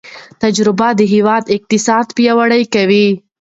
تجارت د هیواد اقتصاد پیاوړی کوي.